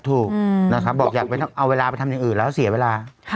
ถูกนะครับบอกอยากเอาเวลาไปทำอย่างอื่นแล้วเสียเวลา